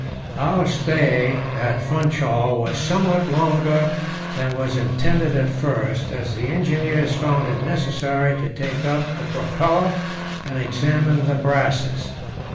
Our stay at Funchal was somewhat longer than was intended at first, as the engineers found it necessary to take up the propeller and examine the brasses.